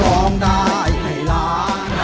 ร้องได้ให้ล้าน